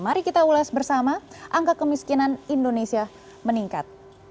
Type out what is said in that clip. mari kita ulas bersama angka kemiskinan indonesia meningkat